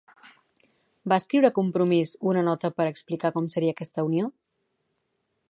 Va escriure Compromís una nota per a explicar com seria aquesta unió?